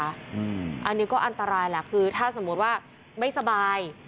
อันนี้ก็อันตรายแหละคือถ้าสมมุติว่าไม่สบาย